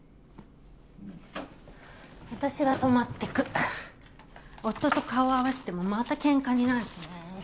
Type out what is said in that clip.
・私は泊まってく夫と顔合わしてもまたケンカになるしね